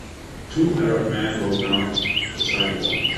Two arab men walk down a sidewalk.